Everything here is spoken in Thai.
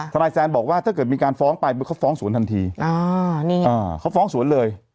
นายแซนบอกว่าถ้าเกิดมีการฟ้องไปเขาฟ้องสวนทันทีเขาฟ้องสวนเลย